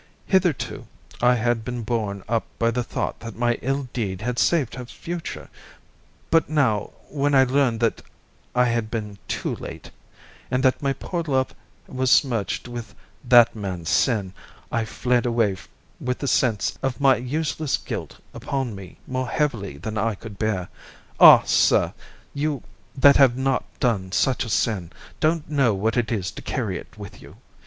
Hitherto I had been borne up by the thought that my ill deed had saved her future, but now, when I learned that I had been too late, and that my poor love was smirched with that man's sin, I fled away with the sense of my useless guilt upon me more heavily than I could bear. Ah! sir, you that have not done such a sin don't know what it is to carry it with you.